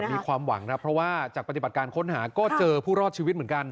มีความหวังครับเพราะว่าจากปฏิบัติการค้นหาก็เจอผู้รอดชีวิตเหมือนกัน